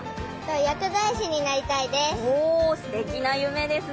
薬剤師になりたいです。